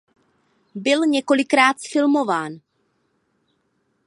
Byl několikrát zfilmován.